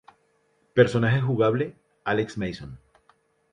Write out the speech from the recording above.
Personaje Jugable: Alex Mason.